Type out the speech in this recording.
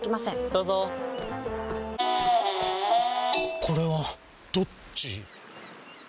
どうぞこれはどっち？